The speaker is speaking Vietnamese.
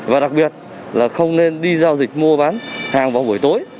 và đặc biệt là không nên đi giao dịch mua bán hàng vào buổi tối